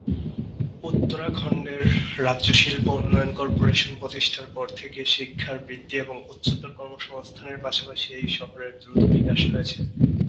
উত্তরাখণ্ডের রাজ্য শিল্প উন্নয়ন কর্পোরেশন প্রতিষ্ঠার পর থেকে, শিক্ষার বৃদ্ধি এবং উচ্চতর কর্মসংস্থানের পাশাপাশি এই শহরের দ্রুত বিকাশ হয়েছে।